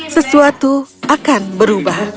sesuatu akan berubah